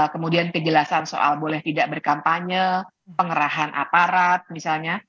kemudian kejelasan soal boleh tidak berkampanye pengerahan aparat misalnya